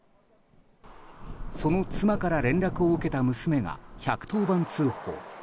その妻から連絡を受けた娘が１１０番通報。